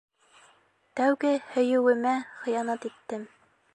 Тәүге һөйөүемә хыянат иттем.